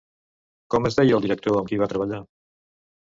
Com es deia el director amb qui va treballar?